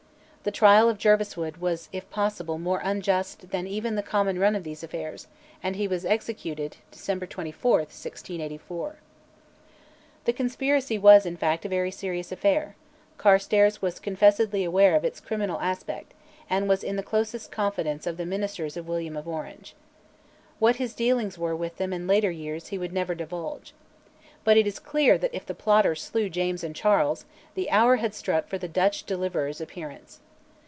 The trial of Jerviswoode was if possible more unjust than even the common run of these affairs, and he was executed (December 24, 1684). The conspiracy was, in fact, a very serious affair: Carstares was confessedly aware of its criminal aspect, and was in the closest confidence of the ministers of William of Orange. What his dealings were with them in later years he would never divulge. But it is clear that if the plotters slew Charles and James, the hour had struck for the Dutch deliverer's appearance.